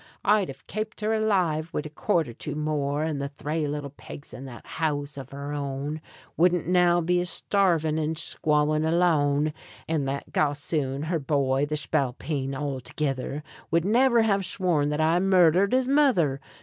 I'd have kaped her alive wid a quart or two more; And the thray little pigs in that house av her own Wouldn't now be a shtarvin' and shqualin' alone. And that gossoon, her boy the shpalpeen altogither! Would niver have shworn that I murdhered his mither.